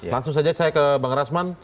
langsung saja saya ke bang rasman